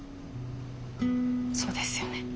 そうですよね。